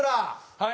はい。